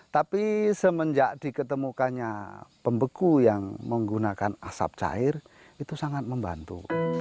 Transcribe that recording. tapi semenjak diketemukannya pembeku yang menggunakan asap cair itu sangat membantu